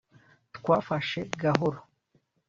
twafashe gahoro